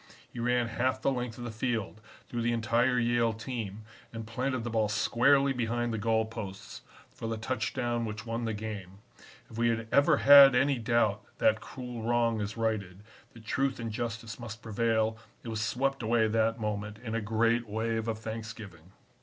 He ran half the length of the field, through the entire Yale team, and planted the ball squarely behind the goal posts for the touchdown which won the game. If we had ever had any doubt that cruel wrong is righted, that truth and justice must prevail, it was swept away that moment in a great wave of thanksgiving.